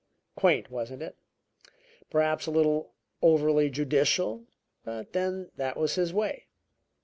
Quaint, wasn't it? Perhaps a little overly judicial. But then that was his way.